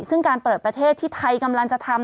ซึ่งการเปิดประเทศที่ไทยกำลังจะทำ